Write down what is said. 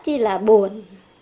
chỉ là buồn